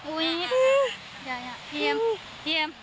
อุ๊ยอย่าอย่าอย่าพี่เอ็มพี่เอ็ม